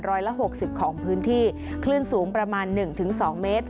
ร้อยละหกสิบของพื้นที่คลื่นสูงประมาณ๑๒เมตร